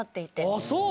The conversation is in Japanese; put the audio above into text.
あっそう。